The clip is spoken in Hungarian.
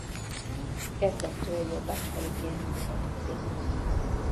Kezdettől jobbágyfaluként mutatkozik.